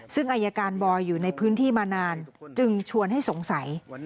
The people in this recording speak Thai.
ซึ่งอายการบอยอยู่ในพื้นที่มานานจึงชวนให้สงสัย